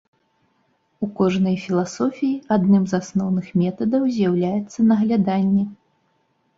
У кожнай філасофіі адным з асноўных метадаў з'яўляецца нагляданне.